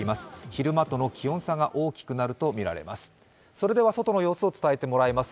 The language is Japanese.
昼間との気温差が大きくなると伝えられています。